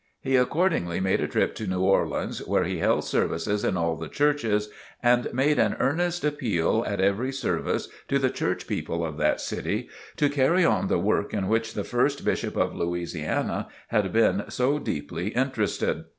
He accordingly made a trip to New Orleans where he held services in all the churches and made an earnest appeal at every service to the church people of that city to carry on the work in which the first Bishop of Louisiana had been so deeply interested.